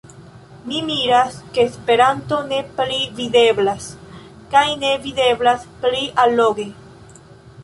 Mi miras, ke Esperanto ne pli videblas, kaj ne videblas pli alloge.